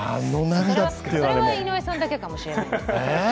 それは井上さんだけかもしれないです。